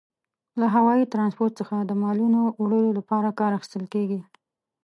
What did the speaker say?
له هوايي ترانسپورت څخه د مالونو وړلو لپاره کار اخیستل کیږي.